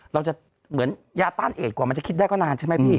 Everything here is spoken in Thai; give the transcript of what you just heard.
เราจะเหมือนยาต้านเอกกว่ามันจะคิดได้ก็นานใช่ไหมพี่